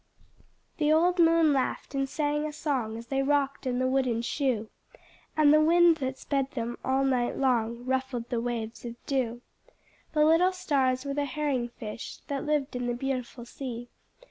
The old moon laughed and sang a song, As they rocked in the wooden shoe; And the wind that sped them all night long Ruffled the waves of dew; The little stars were the herring fish That lived in the beautiful sea.